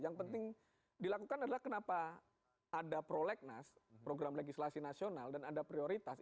yang penting dilakukan adalah kenapa ada prolegnas program legislasi nasional dan ada prioritas